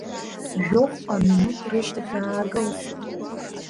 Жәохәҟа минуҭ рышьҭахь иаакылсит.